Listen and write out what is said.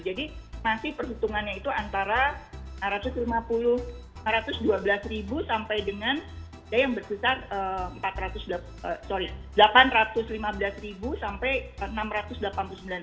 rp lima ratus dua belas sampai dengan yang berkisar rp delapan ratus lima belas sampai rp enam ratus delapan puluh sembilan